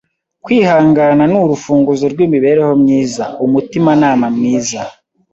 Kwihangana nurufunguzo rwimibereho myiza. Umutimanama mwiza.